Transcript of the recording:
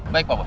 baik pak bos